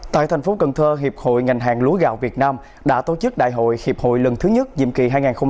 tại thành phố cần thơ hiệp hội ngành hàng lúa gạo việt nam đã tổ chức đại hội hiệp hội lần thứ nhất nhiệm kỳ hai nghìn hai mươi hai nghìn hai mươi bốn